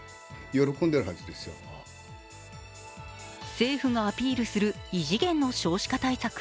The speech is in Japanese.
政府がアピールする異次元の少子化対策。